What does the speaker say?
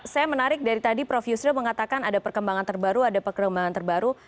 saya menarik dari tadi prof yusril mengatakan ada perkembangan terbaru ada perkembangan terbaru